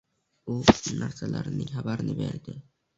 U narsalarining xabarini berdi.